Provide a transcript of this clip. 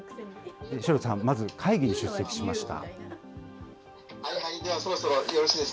城田さんはまず会議に出席しました。